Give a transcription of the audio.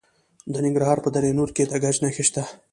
د ننګرهار په دره نور کې د ګچ نښې شته.